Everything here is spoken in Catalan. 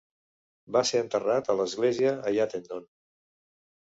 Va ser enterrat a l'església a Yattendon.